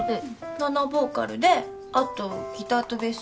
７ボーカルであとギターとベース。